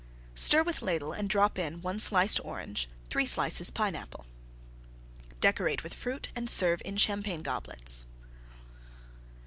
Stir with Ladle and drop in: 1 sliced Orange. 3 slices Pineapple. Decorate with Fruit and serve in Champagne goblets.